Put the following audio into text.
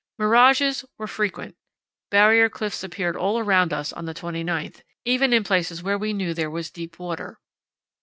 Mirages were frequent. Barrier cliffs appeared all around us on the 29th, even in places where we knew there was deep water.